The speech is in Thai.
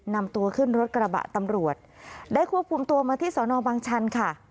นำตัวขึ้นรถกระบะตำรวจได้ควบคุมตัวมาที่สอนอบางชันค่ะ